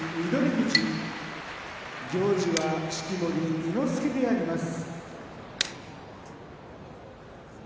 富士行司は式守伊之助であります。